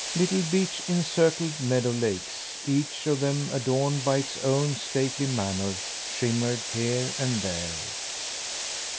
Little beech encircled meadow lakes, each of them adorned by its own stately manor, shimmered here and there.